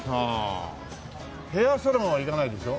ヘアーサロンは行かないでしょ。